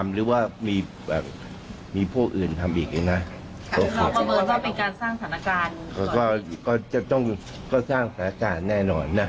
หรือว่าคศชเพิ่งหมดไปก็เลยมาทำอะไร